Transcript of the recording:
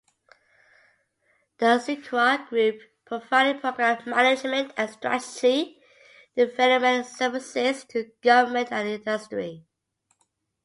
The Sequoia Group provided program management and strategy development services to government and industry.